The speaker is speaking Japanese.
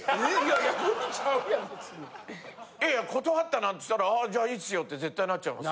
いやいや断ったなんつったら「じゃあいいっすよ」って絶対なっちゃいます。